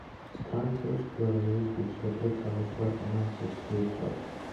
Странке успијевају избјећи да прикажу своје финансијске изворе.